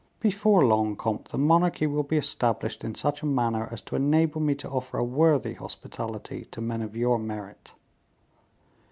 Before long, comte, the monarchy will be established in such a manner as to enable me to offer a worthy hospitality to men of your merit."